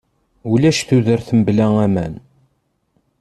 Ulac tudert mebla aman.